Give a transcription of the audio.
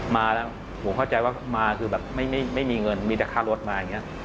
มาแล้วผมเข้าใจว่ามาคือแบบไม่มีเงินมีแต่ค่ารถมาอย่างนี้